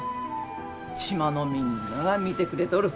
島のみんなが見てくれとる。